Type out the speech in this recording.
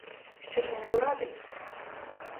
Що ж він порадить?